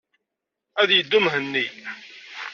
Ad yeddu Mhenni.